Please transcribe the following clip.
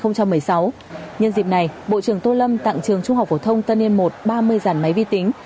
nhân dịp này bộ trưởng tô lâm tặng trường trung học phổ thông tân yên một ba mươi dàn máy vi tính